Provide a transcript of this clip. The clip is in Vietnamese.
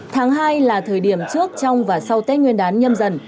tháng hai là thời điểm trước trong và sau tết nguyên đán nhâm dần